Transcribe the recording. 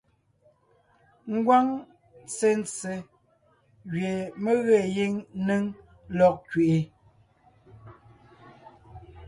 Ngwáŋ ntsentse gẅie mé ge gíŋ néŋ lɔg kẅiʼi,